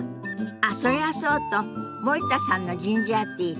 あっそりゃそうと森田さんのジンジャーティー